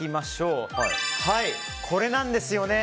これなんですよね。